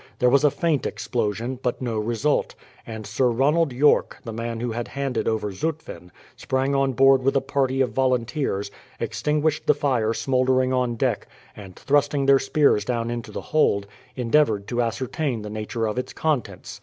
There was a faint explosion, but no result; and Sir Ronald Yorke, the man who had handed over Zutphen, sprang on board with a party of volunteers, extinguished the fire smoldering on deck, and thrusting their spears down into the hold, endeavoured to ascertain the nature of its contents.